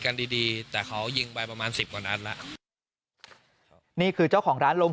กันดีแต่เขายิงไปประมาณ๑๐กว่านั้นละนี่คือเจ้าของร้านโรง